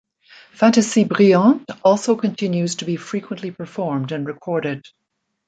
"Fantasie Brilliante" also continues to be frequently performed and recorded.